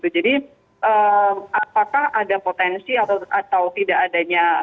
jadi apakah ada potensi atau tidak adanya